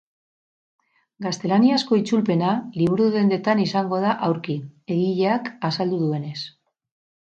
Gaztelaniazko itzulpena liburudendetan izango da aurki, egileak azaldu duenez.